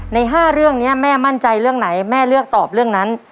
ใน๕เรื่องนี้แม่มั่นใจเรื่องไหนแม่เลือกตอบเรื่องนั้น